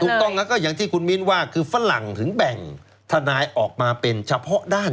ถูกต้องแล้วก็อย่างที่คุณมิ้นว่าคือฝรั่งถึงแบ่งทนายออกมาเป็นเฉพาะด้าน